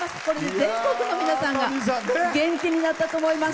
全国の皆さんが元気になったと思います。